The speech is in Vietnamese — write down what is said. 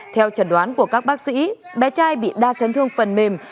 theo trần đoán của các bác sĩ bé trai bị đa chấn thương phần mềm